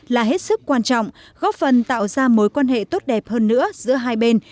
là hết sức quan trọng góp phần tạo ra mối quan hệ tốt đẹp hơn nữa giữa hai bên